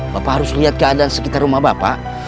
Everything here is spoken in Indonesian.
bapak harus lihat keadaan sekitar rumah bapak